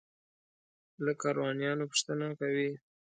له کاروانیانو پوښتنه کوي.